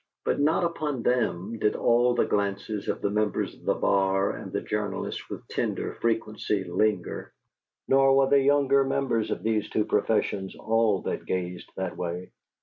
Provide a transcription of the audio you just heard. But not upon them did the glances of the members of the bar and the journalists with tender frequency linger; nor were the younger members of these two professions all who gazed that way.